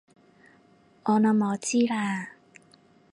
我諗我知喇